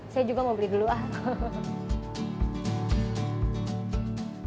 saya juga mau beli dulu aku